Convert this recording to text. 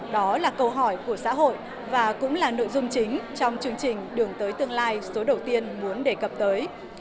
đó là câu hỏi của xã hội và cũng là nội dung chính trong chương trình đường tới tương lai số đầu tiên muốn đề cập tới